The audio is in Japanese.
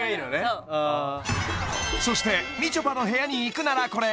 そうそしてみちょぱの部屋に行くならこれ！